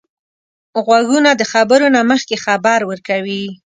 غوږونه د خبرو نه مخکې خبر ورکوي